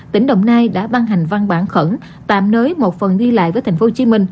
tỉnh đồng nai đã ban hành văn bản khẩn tạm nới một phần đi lại với tp hcm